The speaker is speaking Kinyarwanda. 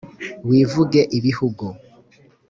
Wivuge ibihugu,